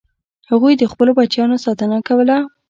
هغوی د خپلو بچیانو ساتنه کوله.